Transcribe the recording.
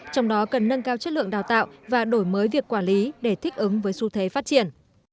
trong đó cần nâng cao chất lượng đào tạo và đổi mới việc quản lý để thích ứng với xu thế phát triển